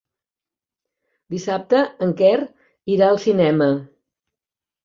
Dissabte en Quer irà al cinema.